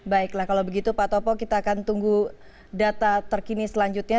baiklah kalau begitu pak topo kita akan tunggu data terkini selanjutnya